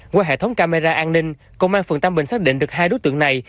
qua hệ thống camera an ninh công an phường tam bình xác định được hai đối tượng này